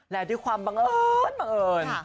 และด้วยความบังเอิญ